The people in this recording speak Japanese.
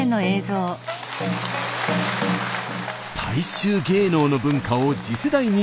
「大衆芸能の文化を次世代につなげたい」。